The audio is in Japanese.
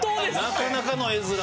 なかなかの画づら。